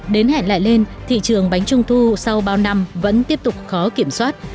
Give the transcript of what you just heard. đến hẹn lại lên thị trường bánh trung thu sau bao năm vẫn tiếp tục khó kiểm soát